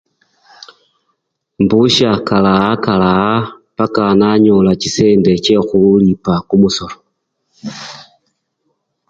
Imbusya kalawakalawa paka nanyola chisende chekhulipa kumusoro.